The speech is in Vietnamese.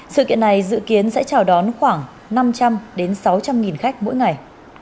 sự kiện này dự kiến sẽ chào đón khoảng năm trăm linh sáu trăm linh khách mỗi ngày